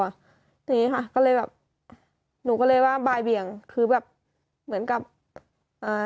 ทีนี้ค่ะก็เลยแบบหนูก็เลยว่าบ่ายเบี่ยงคือแบบเหมือนกับอ่า